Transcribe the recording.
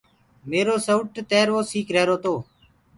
ميرو سيوٽ تِروو سيٚڪ رهيرو تو۔